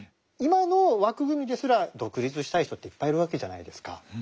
今の枠組みですら独立したい人っていっぱいいるわけじゃないですか。